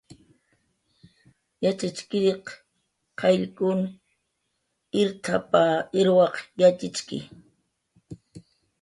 "Yatxchiriq qayllkun irt""p""a, irwaq yatxichki."